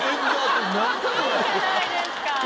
いいじゃないですか。